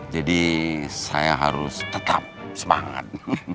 jadi saya harus tetap semangat